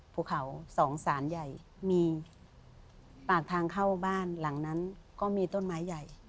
ปากทางเข้าบ้านหลังนั้นก็มีต้นไม้ใหญ่